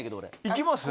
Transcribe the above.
行きます？